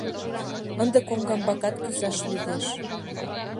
Ынде коҥгамбакат кӱзаш лӱдеш.